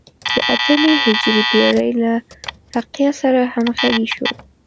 د اتمې هجري پېړۍ له فقیه سره همغږي شو.